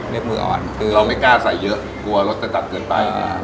มืออ่อนคือเราไม่กล้าใส่เยอะกลัวรสจะจัดเกินไป